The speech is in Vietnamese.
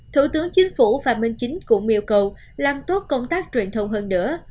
thủ tướng chính phủ phạm minh chính cũng yêu cầu làm tốt công tác truyền thông hơn nữa